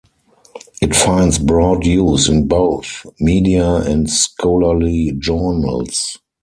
It finds broad use in both media and scholarly journals.